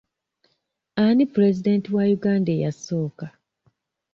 Ani pulezidenti wa Uganda eyasooka?